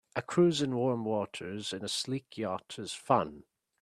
A cruise in warm waters in a sleek yacht is fun.